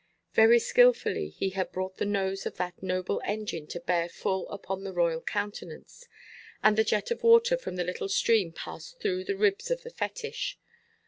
Very skilfully he had brought the nose of that noble engine to bear full upon the royal countenance, and the jet of water from the little stream passed through the ribs of the fetich.